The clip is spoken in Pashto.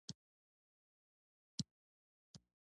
د تقوی عمل د نجات لاره ده.